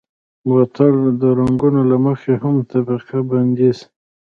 بوتل د رنګونو له مخې هم طبقه بندېږي.